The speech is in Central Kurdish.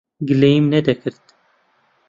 گلەییم نەدەکرد.